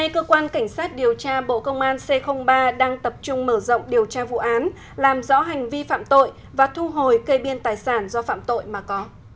cơ quan cảnh sát điều tra bộ công an c ba đã thi hành các quyết định và lệnh nêu trên theo đúng quy định của pháp luật